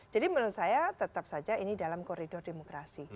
jadi menurut saya tetap saja ini dalam koridor demokrasi